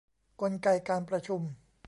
กลไกการประชุม